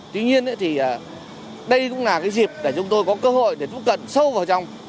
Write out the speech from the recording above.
tuy nhiên đây cũng là dịp để chúng tôi có cơ hội để tiếp cận sâu vào trong